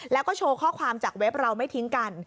แล้วก็โชว์ข้อความจากเว็บเราไม่ทิ้งกัน